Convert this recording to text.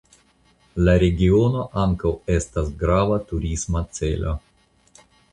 La regiono ankaŭ estas grava turisma celo.